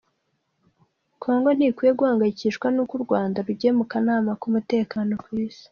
kongo ntikwiye guhangayikishwa n’uko u Rwanda rugiye mu kanama k’umutekano ku isi